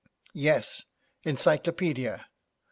Yes, encyclopaedia.